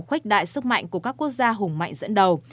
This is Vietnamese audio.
khuếch đại sức mạnh của các quốc gia hùng mạnh dẫn đầu